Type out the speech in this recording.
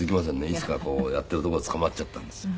いつかこうやってるとこ捕まっちゃったんですよ